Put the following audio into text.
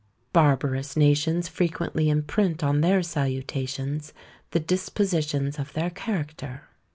Barbarous nations frequently imprint on their salutations the dispositions of their character.